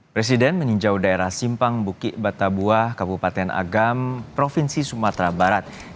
presiden meninjau daerah simpang bukit batabuah kabupaten agam provinsi sumatera barat